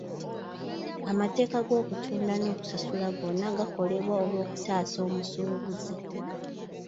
Amateeka g'okutunda n'okusasula gonna gakolebwa olw'okutaasa omusuubuzi.